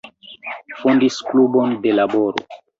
Fondis Klubon de Laboro.